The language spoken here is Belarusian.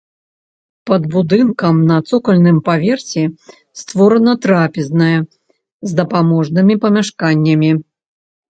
Пад будынкам на цокальным паверсе створана трапезная з дапаможнымі памяшканнямі.